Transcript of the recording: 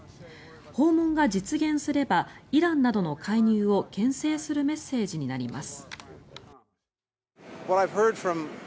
訪問が実現すればイランなどの介入をけん制するメッセージになります。